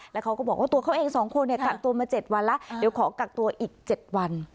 แล้วเขาก็บอกว่าตัวเขาเอง๒คนกักตัวมา๗วันแล้วเดี๋ยวขอกักตัวอีก๗วัน